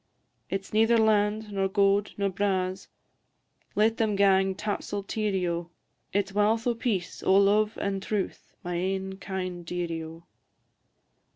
Its neither land, nor gowd, nor braws Let them gang tapsle teerie, O! It 's walth o' peace, o' love, and truth, My ain kind dearie, O!